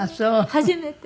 初めて。